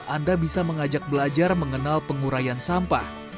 anda bisa mengajak belajar mengenal pengurayan sampah